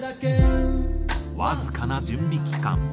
わずかな準備期間。